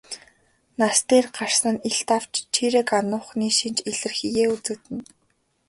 Нас дээр гарсан нь илт авч чийрэг ануухны шинж илэрхийеэ үзэгдэнэ.